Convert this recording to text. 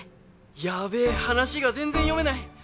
ヤベえ話が全然読めない。